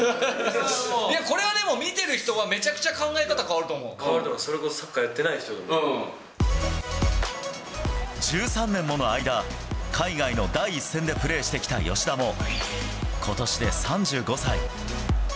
これはでも、見てる人は、めちゃ変わると思う、それこそサッ１３年もの間、海外の第一線でプレーしてきた吉田も、ことしで３５歳。